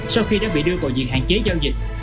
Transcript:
sau khi đã bị đưa vào diện hạn chế giao dịch